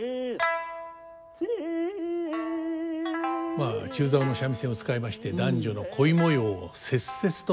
まあ中棹の三味線を使いまして男女の恋模様を切々と語る。